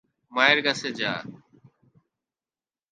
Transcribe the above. মায়ের কাছে যা।